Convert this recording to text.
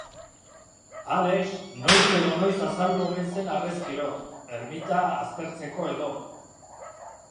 Alex noiz edo noiz azaldu omen zen harrezkero, ermita aztertzeko edo.